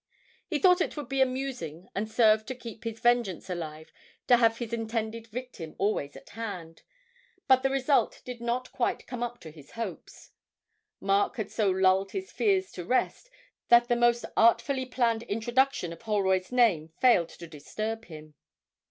He thought it would be amusing and serve to keep his vengeance alive to have his intended victim always at hand, but the result did not quite come up to his hopes. Mark had so lulled his fears to rest that the most artfully planned introduction of Holroyd's name failed to disturb him.